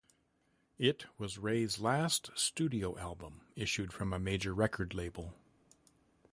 It was Raye's last studio album issued from a major record label.